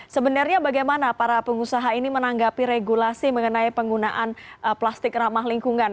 sebenarnya bagaimana para pengusaha ini menanggapi regulasi mengenai penggunaan plastik ramah lingkungan